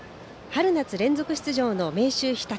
春夏連続出場の明秀日立。